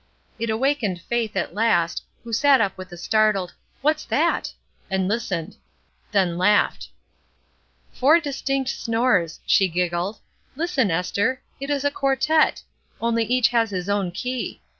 It awakened Faith, at last, who sat up with a startled ''What's that?'' and listened; then laughed. ''Four distinct snores!" she giggled. "Lis ten, Esther! It is a quartette; only each has his own key.